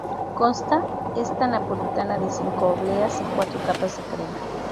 Consta esta napolitana de cinco obleas y cuatro capas de crema.